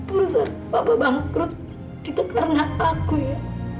urusan papa bangkrut itu karena aku ya